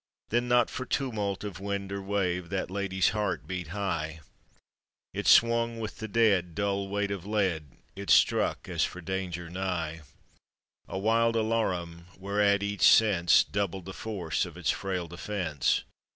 Then not for tumult of wind or wave That lady's heart beat high, It swung with the dead, dull weight of lead, It struck as for danger nigh A wild alarum, whereat each sense Doubled the force of its frail defense.